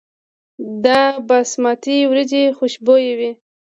د باسمتي وریجې خوشبويه وي.